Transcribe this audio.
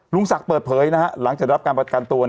ลุงศักดิ์เปิดเผยหลังจากรับการประกันตัว